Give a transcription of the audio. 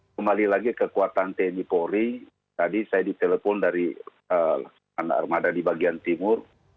kembali lagi kekuatan tni polri tadi saya ditelepon dari armada di bagian timur